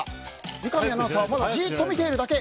三上アナウンサーはまだじっと見ているだけ。